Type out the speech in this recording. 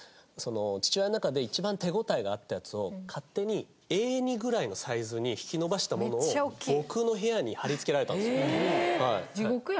父親の中で一番手応えがあったやつを勝手にＡ２ぐらいのサイズに引き伸ばしたものを僕の部屋に貼り付けられたんですよ。